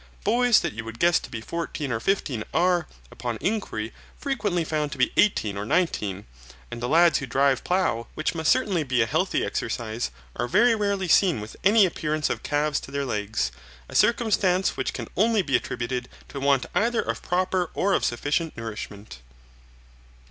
Boys that you would guess to be fourteen or fifteen are, upon inquiry, frequently found to be eighteen or nineteen. And the lads who drive plough, which must certainly be a healthy exercise, are very rarely seen with any appearance of calves to their legs: a circumstance which can only be attributed to a want either of proper or of sufficient nourishment.